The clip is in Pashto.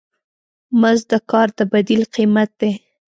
مزد د کار د بدیل قیمت دی.